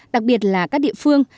đặc biệt là các địa phương